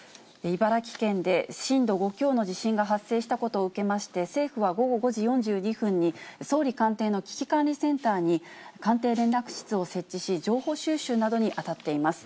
茨城県で震度５強の地震が発生したことを受けまして、政府は午後５時４２分に、総理官邸の危機管理センターに、官邸連絡室を設置し、情報収集などに当たっています。